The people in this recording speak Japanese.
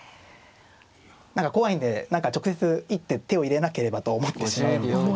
何か怖いんで直接一手手を入れなければと思ってしまうんですが。